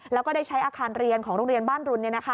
แล้วก็ได้ใช้อาคารเรียนของโรงเรียนบ้านรุน